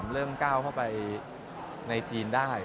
เลื่อง๙เขาไปในจีนได้